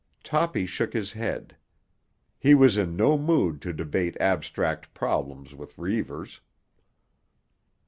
Toppy shook his head. He was in no mood to debate abstract problems with Reivers.